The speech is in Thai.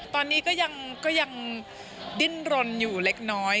ตอนนี้ก็ยังดิ้นรนอยู่เล็กน้อย